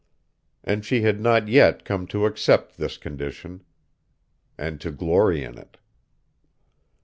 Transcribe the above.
And she had not yet come to accept this condition, and to glory in it.